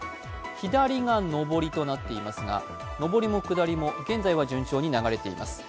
左が上りとなっていますが上りも下りも現在は順調に流れています。